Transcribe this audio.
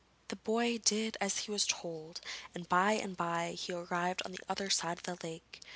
The boy did as he was told, and by and bye he arrived on the other side of the lake.